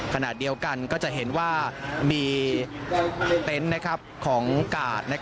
ขณะเดียวกันก็จะเห็นว่ามีเต็นต์ของกาด